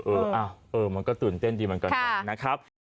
เออมันก็ตื่นเต้นดีเหมือนกันนะครับ